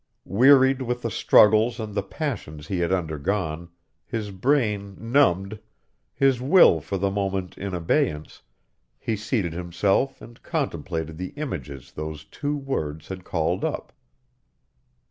Wearied with the struggles and the passions he had undergone, his brain numbed, his will for the moment in abeyance, he seated himself and contemplated the images those two words had called up.